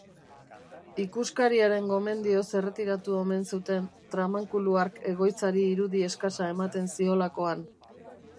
Ikuskariaren gomendioz erretiratu omen zuten, tramankulu hark egoitzari irudi eskasa ematen ziolakoan.